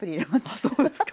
あそうですか。